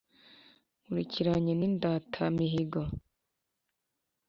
nkurikiranye n'indatamihigo.